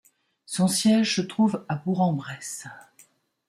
Son siège se trouve à Bourg-en-Bresse.